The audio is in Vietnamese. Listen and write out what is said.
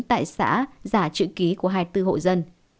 tại xã giả chữ ký của hai mươi bốn hộ dân